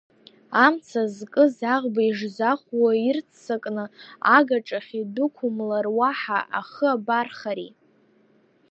Амца зкыз аӷба ишзахуо ирццакны агаҿахь идәықумлар уаҳа ахы абархари?